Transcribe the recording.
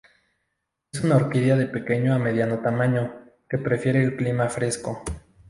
Es una orquídea de pequeño a mediano tamaño, que prefiere el clima fresco.